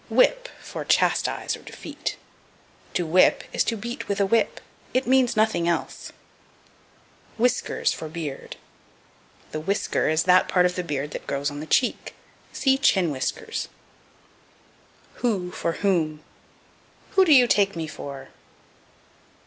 Whip for Chastise, or Defeat. To whip is to beat with a whip. It means nothing else. Whiskers for Beard. The whisker is that part of the beard that grows on the cheek. See Chin Whiskers. Who for Whom. "Who do you take me for?"